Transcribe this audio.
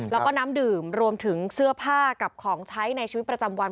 แล้วก็น้ำดื่มรวมถึงเสื้อผ้ากับของใช้ในชีวิตประจำวัน